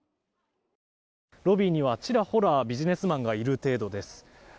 ロビーには、ちらほらビジネスマンがいる程度です。